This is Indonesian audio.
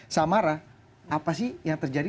samara apa sih yang terjadi